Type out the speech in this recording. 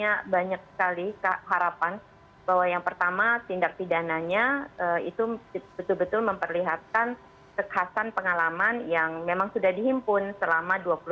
yang pertama sebenarnya kita punya banyak sekali harapan bahwa yang pertama tindak sidananya itu betul betul memperlihatkan kekhasan pengalaman yang memang sudah dihimpun selama dua puluh tahun terakhir